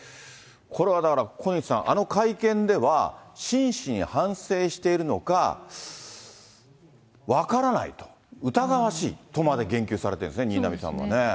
これはだから、小西さん、あの会見では、真摯に反省しているのか分からないと、疑わしいとまで言及されているんですね、新浪さんはね。